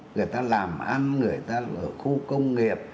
người ta làm ăn người ta ở khu công nghiệp